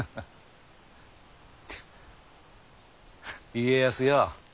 家康よ